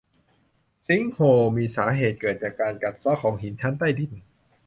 ซิงโฮล มีสาเหตุเกิดจากการกัดเซาะของหินชั้นใต้ดิน